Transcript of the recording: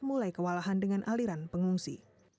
mulai kewalahan dengan aliran pengungsi